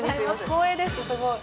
光栄です。